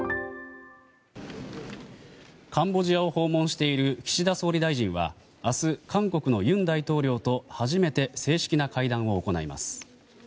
カンボジアを訪問している岸田総理大臣は明日、韓国の尹大統領と初めて正式な会談を行います。